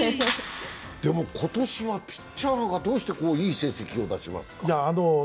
今年はピッチャーがどうしてこういい成績を出しますか？